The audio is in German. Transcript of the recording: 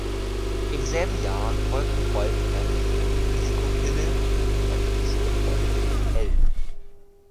Im selben Jahr folgten Rollen im Fernsehfilm "Risiko Pille" und eine Episodenrolle in "Heldt".